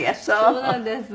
そうなんです。